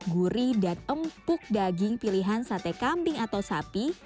gurih dan empuk daging pilihan sate kambing atau sapi